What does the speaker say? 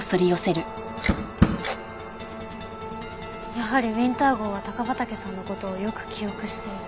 やはりウィンター号は高畠さんの事をよく記憶している。